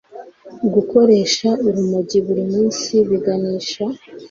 Gukoresha urumogi buri munsi biganisha